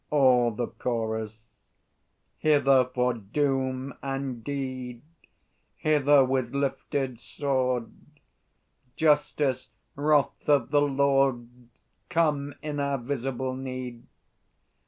All the Chorus. Hither, for doom and deed! Hither with lifted sword, Justice, Wrath of the Lord, Come in our visible need!